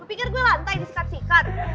lu pikir gua lantai di sikat sikat